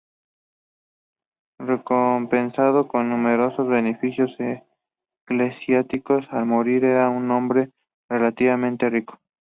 Recompensado con numerosos beneficios eclesiásticos, al morir era un hombre relativamente rico.